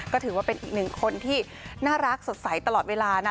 ก็ถือว่าเป็นอีกหนึ่งคนที่น่ารักสดใสตลอดเวลานะ